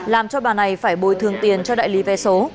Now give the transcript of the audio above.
làm cho bà này phải bồi thường tiền cho đại lý vé số